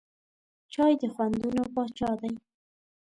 چای د خوندونو پاچا دی.